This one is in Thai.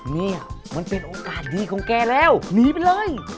นี่มันเป็นโอกาสดีของแกแล้วหนีไปเลย